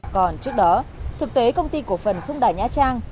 còn trước đó thực tế công ty cổ phần xung đài nha trang